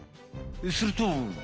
すると。